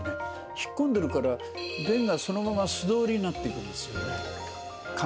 引っ込んでるから、便がそのまま素通りになっていくんですよね。